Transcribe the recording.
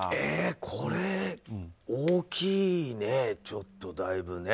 これ大きいねちょっとだいぶね。